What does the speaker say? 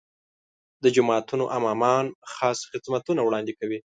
د جوماتونو امامان خاص خدمتونه وړاندې کوي.